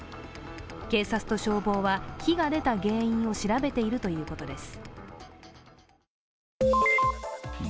警察と消防は、火が出た原因を調べているということです。